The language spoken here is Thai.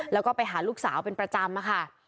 แล้วก็ไปหาลูกสาวเป็นประจำค่ะ